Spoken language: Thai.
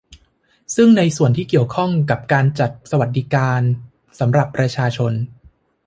ซึ่งในส่วนที่เกี่ยวข้องกับการจัดสวัสดิการสำหรับประชาชน